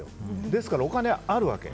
ですから、お金はあるわけ。